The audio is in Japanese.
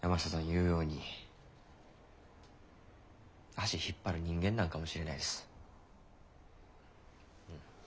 言うように足引っ張る人間なんかもしれないです。